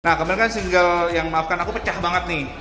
nah kemudian kan single yang maafkan aku pecah banget nih